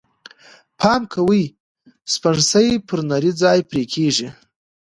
پام کوئ! سپڼسی پر نري ځای پرې کېږي.